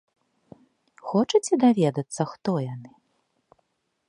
Хочаце даведацца, хто яны?